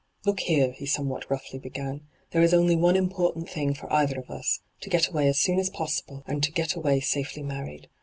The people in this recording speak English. ' Look here,' he somewhat roughly began :' There is only one important thing for either of us — to get away as soon as possible, and to get away safely married.